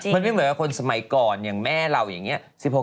มันไม่เหมือนกับคนสมัยก่อนอย่างแม่เราอย่างนี้